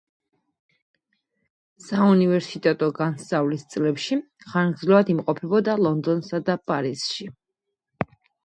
საუნივერსიტეტო განსწავლის წლებში ხანგრძლივად იმყოფებოდა ლონდონსა და პარიზში.